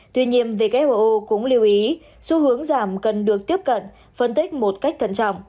tuy nhiên who cũng lưu ý xu hướng giảm cần được tiếp cận phân tích một cách thận trọng